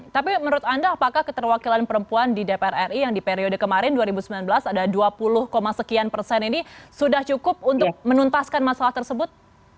tapi menurut anda apakah keterwakilan perempuan di dpr ri yang di periode kemarin dua ribu sembilan belas ada dua puluh sekian persen ini sudah cukup untuk menuntaskan masalah tersebut